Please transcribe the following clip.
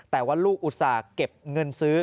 แต่ว่าลูกอุตส่าห์เก็บเงินซื้อ